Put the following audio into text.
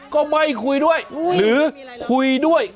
ก็ไม่คุยด้วยหรือคุยด้วย